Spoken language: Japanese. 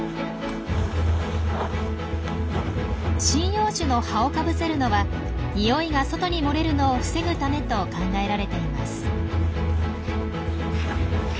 針葉樹の葉をかぶせるのはにおいが外に漏れるのを防ぐためと考えられています。